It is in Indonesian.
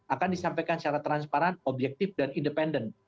akan disampaikan secara transparan objektif dan independen